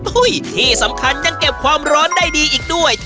ที่สำคัญยังเก็บความร้อนได้ดีอีกด้วย